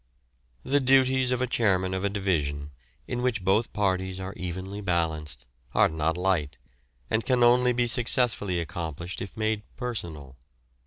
The duties of a chairman of a division, in which both parties are evenly balanced, are not light, and can only be successfully accomplished if made personal.